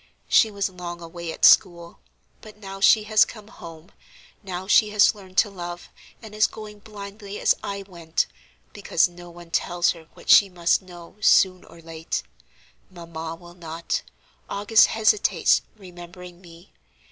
She was long away at school, but now she has come home, now she has learned to love, and is going blindly as I went, because no one tells her what she must know soon or late. Mamma will not. August hesitates, remembering me.